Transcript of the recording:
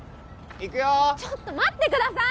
いくよちょっと待ってください！